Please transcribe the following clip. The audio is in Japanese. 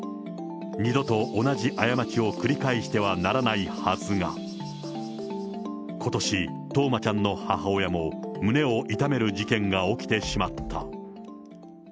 二度と同じ過ちを繰り返してはならないはずが、ことし、冬生ちゃんの母親も胸を痛める事件が起きてしまった。